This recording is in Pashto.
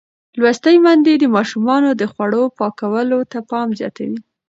لوستې میندې د ماشومانو د خوړو پاکولو ته پام زیاتوي.